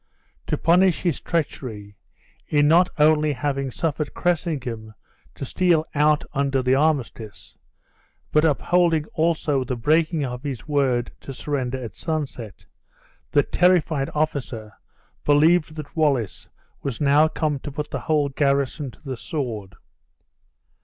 To punish his treachery, in not only having suffered Cressingham to steal out under the armistice, but upholding also the breaking of his word to surrender at sunset, the terrified officer believed that Wallace was now come to put the whole garrison to the sword.